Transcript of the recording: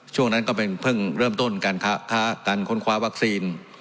ช่วงนั้นก็เป็นเพิ่งเริ่มต้นการค้าการค้นคว้าวัคซีน